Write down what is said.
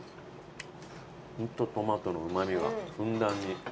ホントトマトのうま味がふんだんに。